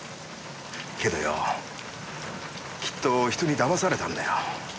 けどよきっと人に騙されたんだよ。